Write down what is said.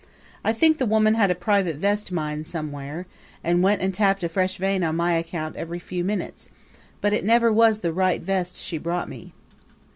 I think the woman had a private vest mine somewhere, and went and tapped a fresh vein on my account every few minutes; but it never was the right vest she brought me.